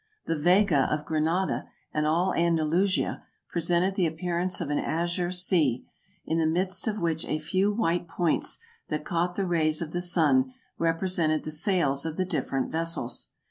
The Vega of Granada, and all Andalusia, presented the appearance of an azure sea, in the midst of which a few white points that caught the rays of the sun, represented the sails of the different vessels.